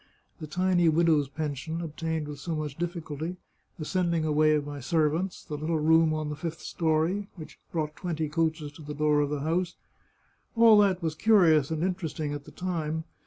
The tiny widow's pension, obtained with so much difficulty, the sending away of my servants, the little room on the fifth story, which brought twenty coaches to the door of the house — all that was curious and interesting at the time.